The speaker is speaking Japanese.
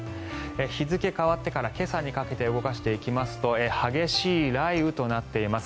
日付が変わってから今朝にかけて動かしていきますと激しい雷雨となっています。